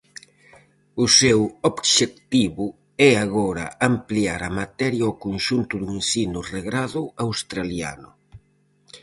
O seu obxectivo é agora ampliar a materia ao conxunto do ensino regrado australiano.